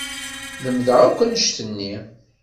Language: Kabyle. Lemdeɣ akk annect-nni.